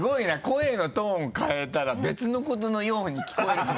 声のトーン変えたら別のことのように聞こえるもん。